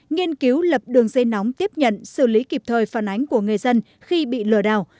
nghiên cứu lập đường dây nóng tiếp nhận xử lý kịp thời phản ánh của người dân khi bị lừa đảo